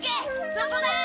そこだ！